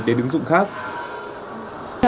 đến ứng dụng khác